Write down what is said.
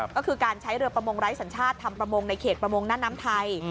ก็คือการใช้เรือประมงไร้สัญชาติทำประมงในเขตประมงหน้าน้ำไทย